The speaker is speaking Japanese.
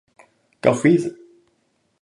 ガフィーザ